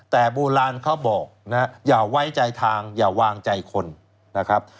แต่โบราณเขาบอกนะฮะอย่าไว้ใจทางอย่าวางใจคนนะครับ